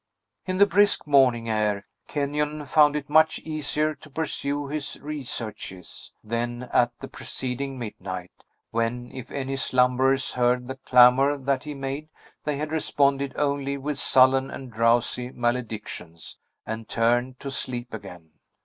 In the brisk morning air, Kenyon found it much easier to pursue his researches than at the preceding midnight, when, if any slumberers heard the clamor that he made, they had responded only with sullen and drowsy maledictions, and turned to sleep again.